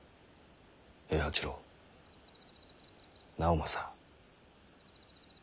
平八郎直政。